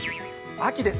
秋です。